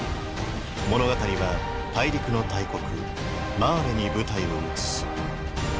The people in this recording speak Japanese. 物語は大陸の大国マーレに舞台を移す。